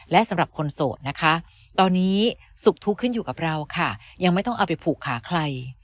และสำหรับคนโสดนะคะตอนนี้สุขทุกข์ขึ้นอยู่กับเราค่ะยังไม่ต้องเอาไปผูกขาใคร